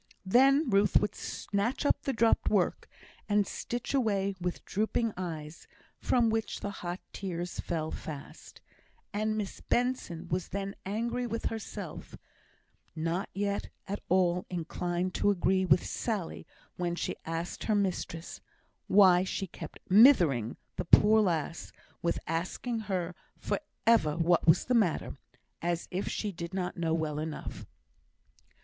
Then Ruth would snatch up the dropped work, and stitch away with drooping eyes, from which the hot tears fell fast; and Miss Benson was then angry with herself, yet not at all inclined to agree with Sally when she asked her mistress "why she kept 'mithering' the poor lass with asking her for ever what was the matter, as if she did not know well enough."